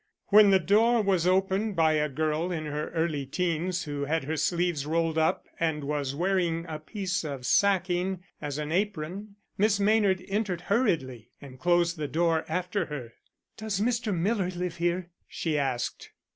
When the door was opened by a girl in her early teens who had her sleeves rolled up and was wearing a piece of sacking as an apron, Miss Maynard entered hurriedly and closed the door after her. "Does Mr. Miller live here?" she asked.